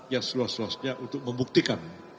yang seluas luasnya untuk membuktikan